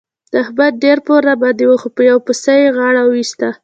د احمد ډېر پور راباندې وو خو په یوه پسه يې غاړه وېسته.